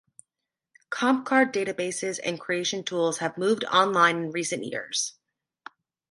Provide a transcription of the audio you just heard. Comp card databases and creation tools have moved online in recent years.